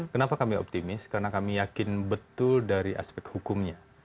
kenapa kami optimis karena kami yakin betul dari aspek hukumnya